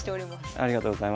ありがとうございます。